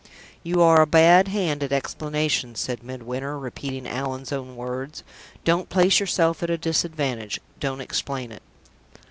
"You are a bad hand at explanations," said Midwinter, repeating Allan's own words. "Don't place yourself at a disadvantage. Don't explain it."